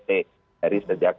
dari sejak sempat sejak tahun ini